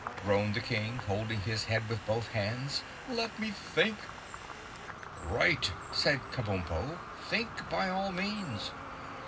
groaned the King, holding his head with both hands. "Let me think!" "Right," said Kabumpo. "Think by all means."